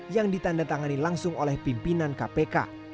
yang ditanda tangani langsung oleh pimpinan kpk